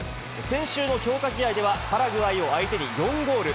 先週の強化試合では、パラグアイを相手に４ゴール。